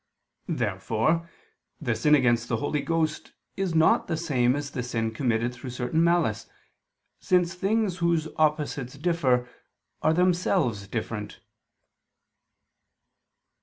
Therefore the sin against the Holy Ghost is not the same as the sin committed through certain malice, since things whose opposites differ, are themselves different.